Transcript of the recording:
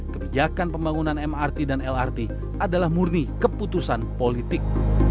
kebijakan pembangunan mrt dan lrt adalah murni keputusan politik